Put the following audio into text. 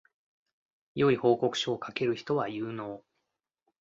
良い報告書を書ける人は有能